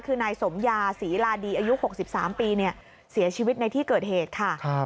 คือนายสมยาศรีลาดีอายุ๖๓ปีเสียชีวิตในที่เกิดเหตุค่ะ